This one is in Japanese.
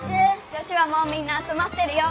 女子はもうみんなあつまってるよ。